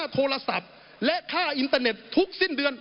โทรศัพท์และค่าอินเตอร์เน็ตทุกสิ้นเดือน